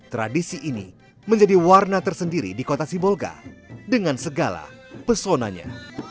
tradisi ini menjadi warna tersendiri di kota sibolga dengan segala pesonanya